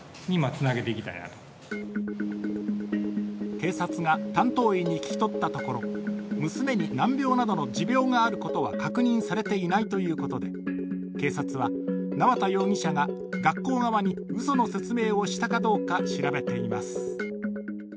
警察が担当医に聞き取ったところ娘に難病などの持病があることは確認されていないということで、警察は縄田容疑者が学校側にうその説明をしたかどうか調べています。